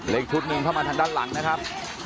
อีกชุดหนึ่งเข้ามาทางด้านหลังนะครับ